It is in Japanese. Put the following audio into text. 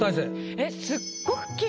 えっ？